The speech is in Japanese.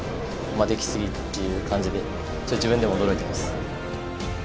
でき過ぎっていう感じで自分でも驚いてます。